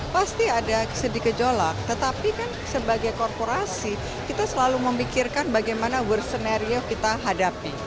pasti ada sedikit jolak tetapi kan sebagai korporasi kita selalu memikirkan bagaimana worst scenario kita hadapi